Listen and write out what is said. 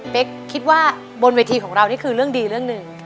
คิดว่าบนเวทีของเรานี่คือเรื่องดีเรื่องหนึ่ง